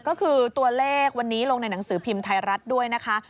ก็คือตัวเลขวันนี้ลงในหนังสือพิมพ์ไทยรัฐด้วยนะคะ